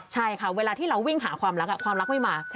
ใช่ค่ะเวลาที่เราวิ่งหาความรักความรักไม่มา